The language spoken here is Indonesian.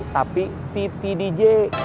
tapi pt dj